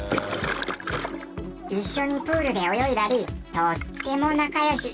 一緒にプールで泳いだりとっても仲良し。